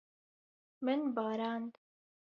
Min barand.